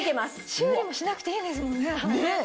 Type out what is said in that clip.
修理もしなくていいですもんね。